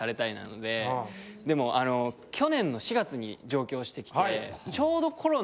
でもあの去年の４月に上京して来て。